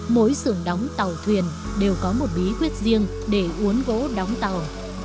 mỗi xưởng đóng tàu thuyền đều có một bí quyết riêng để uốn gỗ đóng tàu